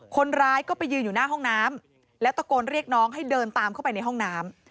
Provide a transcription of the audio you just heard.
คนร้ายก็ไปยืนอยู่หน้าห้องน้ำแล้วตะโกนเรียกน้องให้เดินตามเข้าไปในห้องน้ำ